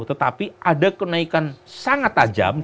tetapi ada kenaikan sangat tajam